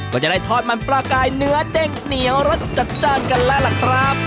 ก็จะได้ทอดมันปลากายเนื้อเด้งเหนียวรสจัดจ้านกันแล้วล่ะครับ